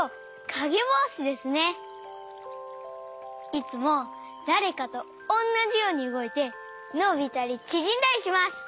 いつもだれかとおんなじようにうごいてのびたりちぢんだりします！